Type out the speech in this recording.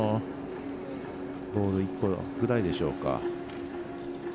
ボール１個分ぐらいでしょうか。